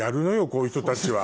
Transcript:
こういう人たちは。